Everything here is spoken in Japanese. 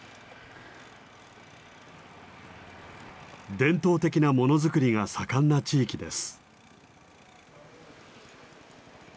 伝統的なものづくりが盛んな地域です。